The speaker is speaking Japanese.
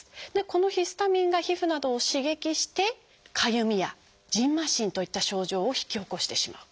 このヒスタミンが皮膚などを刺激して「かゆみ」や「じんましん」といった症状を引き起こしてしまう。